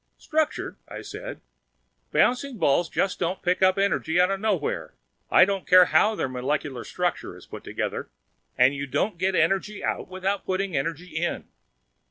"Structure!" I said. "Bouncing balls just don't pick up energy out of nowhere, I don't care how their molecules are put together. And you don't get energy out without putting energy in."